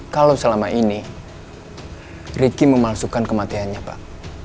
kalau selama ini ricky memalsukan kematiannya pak